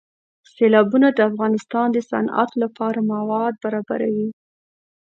سیلابونه د افغانستان د صنعت لپاره مواد برابروي.